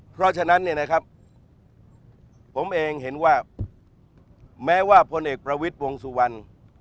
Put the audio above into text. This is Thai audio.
เพราะฉะนั้นเนี่ยนะครับผมเองเห็นว่าแม้ว่าพลเอกประวิทย์วงสุวรรณ